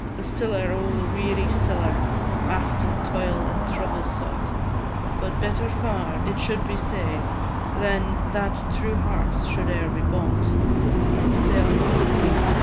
The siller, O the weary siller! Aft in toil and trouble sought, But better far it should be sae, Than that true hearts should e'er be bought.